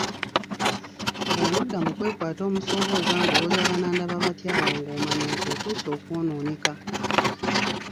Bw'onodda mu kwekwata omusobooza ng'owoza banandaba batya awo ng'omanya nti otuuse okwonooneka.